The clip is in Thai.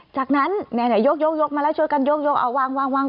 จากนั้นเนี่ยยกมาแล้วช่วยกันยกเอาวางตรงจุฏิ